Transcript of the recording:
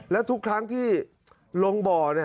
และทุกครั้งที่ลงบ่อ